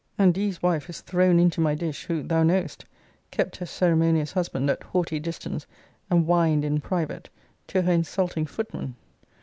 And D r's wife is thrown into my dish, who, thou knowest, kept her ceremonious husband at haughty distance, and whined in private to her insulting footman.